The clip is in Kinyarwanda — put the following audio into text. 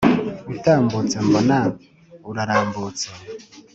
utambutse mbona urarambutse